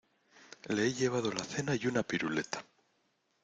le he llevado la cena y una piruleta.